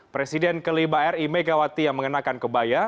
presiden ke lima ri megawati yang mengenakan kebaya